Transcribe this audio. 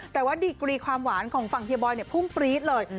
แต่ว่าดีกรีความหวานของฝั่งเฮียบอยพุ่งปรี๊ดเลย